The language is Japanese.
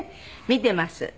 「見てます」。